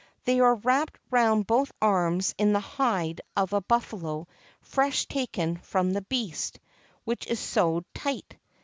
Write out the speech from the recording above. They are wrapped round both arms in the hide of a buffalo fresh taken from the beast, which is sewed tight.